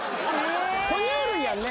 哺乳類やんね。